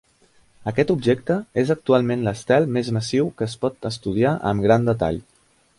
Aquest objecte és actualment l'estel més massiu que es pot estudiar amb gran detall.